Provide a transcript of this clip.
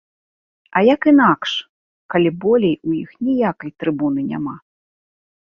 А як інакш, калі болей у іх ніякай трыбуны няма?